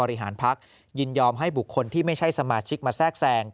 บริหารพักษณ์ยินยอมให้บุคคลที่ไม่ใช่สมาชิกมาแทรกแสง